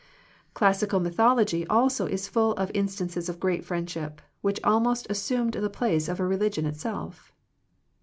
Classical mythology also is full of instan ces of great friendship, which almost as sumed the place of a religion itself.